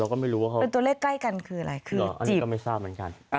ก็ไม่รู้ว่าเขาเป็นตัวเลขใกล้กันคืออะไรคืออันนี้ก็ไม่ทราบเหมือนกัน